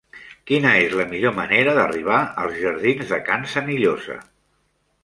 Quina és la millor manera d'arribar als jardins de Can Senillosa?